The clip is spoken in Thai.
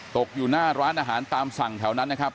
ตกอยู่หน้าร้านอาหารตามสั่งแถวนั้นนะครับ